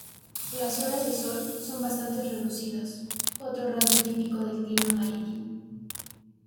Las horas de sol son bastantes reducidas, otro rasgo típico del clima marítimo.